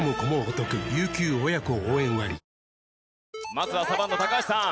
まずはサバンナ高橋さん。